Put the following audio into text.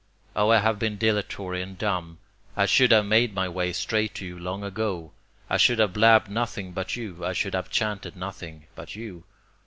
O I have been dilatory and dumb; I should have made my way straight to you long ago; I should have blabb'd nothing but you, I should have chanted nothing but you.